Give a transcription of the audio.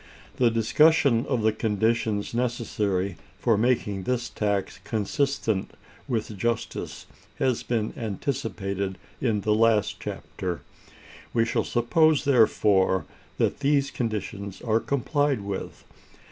The discussion of the conditions necessary for making this tax consistent with justice has been anticipated in the last chapter. We shall suppose, therefore, that these conditions are complied with.